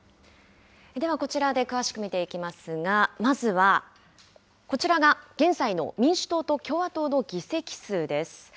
ではこちらで詳しく見ていきますが、まずは、こちらが現在の民主党と共和党の議席数です。